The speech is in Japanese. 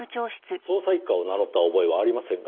捜査一課を名乗った覚えはありませんが。